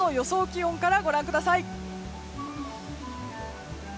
気温からご覧ください。